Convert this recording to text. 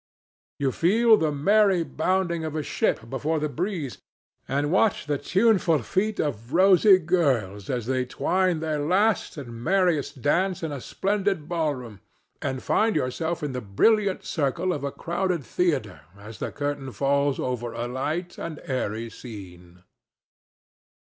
You feel the merry bounding of a ship before the breeze, and watch the tuneful feet of rosy girls as they twine their last and merriest dance in a splendid ball room, and find yourself in the brilliant circle of a crowded theatre as the curtain falls over a light and airy scene.